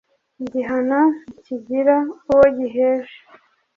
igihano ntikigira uwogiheje.